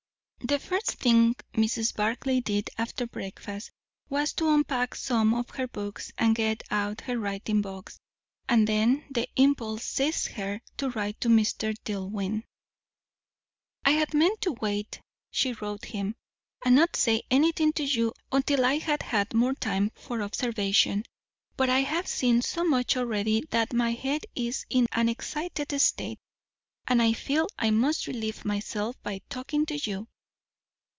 The first thing Mrs. Barclay did after breakfast was to unpack some of her books and get out her writing box; and then the impulse seized her to write to Mr. Dillwyn. "I had meant to wait," she wrote him, "and not say anything to you until I had had more time for observation; but I have seen so much already that my head is in an excited state, and I feel I must relieve myself by talking to you.